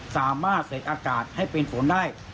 สามารถเสกอากาศให้เป็นฝนได้